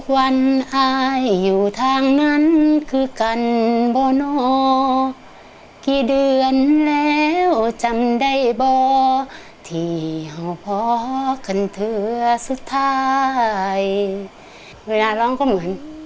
เวลาร้องก็เหมือน